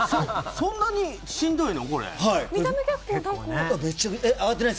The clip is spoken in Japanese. そんなにしんどいの？